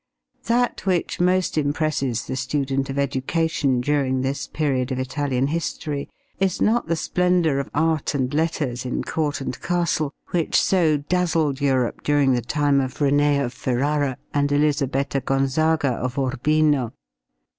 That which most impresses the student of education during this period of Italian history is not the splendor of art and letters in court and castle, which so dazzled Europe during the time of Renée of Ferrara and Elizabetta Gonzaga of Urbino.